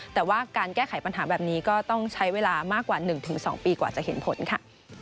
แต่ว่าการแก้ไขปัญหาแบบนี้ก็ต้องใช้เวลามากกว่า๑๒ปีกว่าจะเห็นผลค่ะ